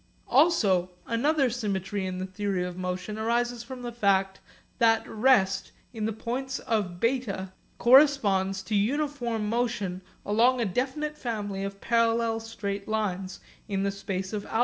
Also another symmetry in the theory of motion arises from the fact that rest in the points of β corresponds to uniform motion along a definite family of parallel straight lines in the space of α.